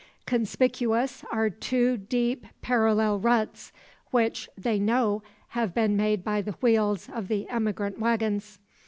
Conspicuous are two deep parallel ruts, which they know have been made by the wheels of the emigrant wagons.